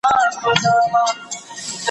عمر تېر سو کفن کښ د خدای په کار سو